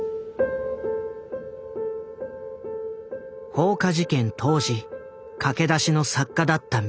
放火事件当時駆け出しの作家だった水上。